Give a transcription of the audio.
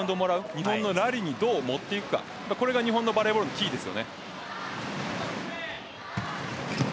日本のラリーにどう持っていくかこれが日本のバレーのキーです。